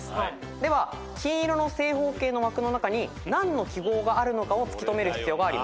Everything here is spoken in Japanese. では金色の正方形の枠の中に何の記号があるのかを突き止める必要があります。